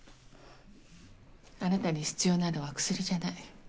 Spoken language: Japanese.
あなたに必要なのは薬じゃない。